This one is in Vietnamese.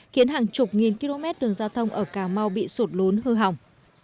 khiến hàng chục nghìn km đường giao thông ở cà mau bị sụp lốn hư hỏng